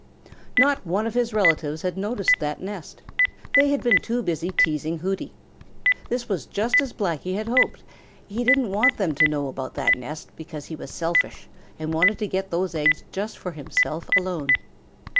Not one of his relatives had noticed that nest. They had been too busy teasing Hooty. This was just as Blacky had hoped. He didn't want them to know about that nest because he was selfish and wanted to get those eggs just for himself alone.